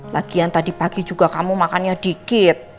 lagian tadi pagi juga kamu makannya dikit